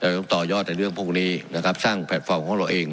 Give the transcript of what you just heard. ต้องต่อยอดในเรื่องพวกนี้นะครับสร้างแพลตฟอร์มของเราเอง